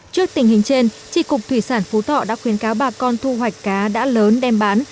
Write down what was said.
trước tình hình trên tri cục thủy sản phú thọ đã khuyến cáo bà con thu hoạch cá đã lớn đem bán